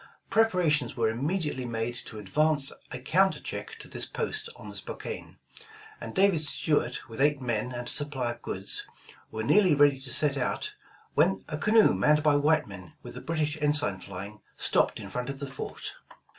Preparations were immediately made to advance a counter check to this post on the Spokane, and David Stuart with eight men and a supply of goods, were nearly ready to set out, when a canoe manned by white men, with the British ensign flying, stopped in front of the fort.